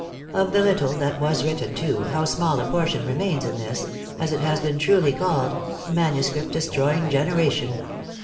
__Of the little that was written, too, how small a portion remains in this as it has been truly called manuscript destroying generation!